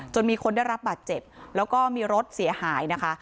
มีคนได้รับบาดเจ็บแล้วก็มีรถเสียหายนะคะ